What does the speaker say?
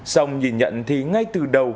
xong nhìn nhận thì ngay từ đầu